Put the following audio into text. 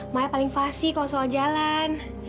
malah paling fasi kalau soal jalan